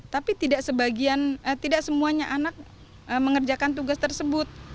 tapi tidak semuanya anak mengerjakan tugas tersebut